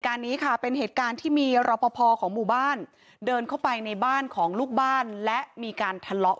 นี้ค่ะเป็นเหตุการณ์ที่มีรอปภของหมู่บ้านเดินเข้าไปในบ้านของลูกบ้านและมีการทะเลาะ